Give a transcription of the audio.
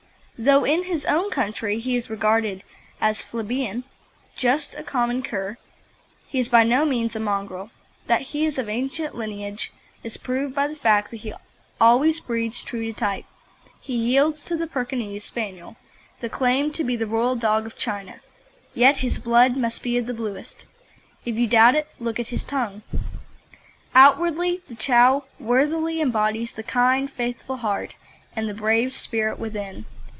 Though in his own country he is regarded as plebeian, just a common cur, he is by no means a mongrel. That he is of ancient lineage is proved by the fact that he always breeds true to type. He yields to the Pekinese Spaniel the claim to be the Royal dog of China, yet his blood must be of the bluest. If you doubt it, look at his tongue. Outwardly, the Chow worthily embodies the kind, faithful heart and the brave spirit within.